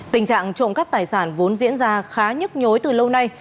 tình trạng trộm cắp tài sản vốn diễn ra khá nhức nhối từ lâu nay